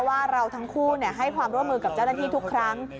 ว่าเราทั้งคู่ให้ความร่วมมือกับเจ้าหน้าที่ทุกครั้ง